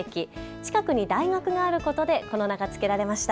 近くに大学があることでこの名が付けられました。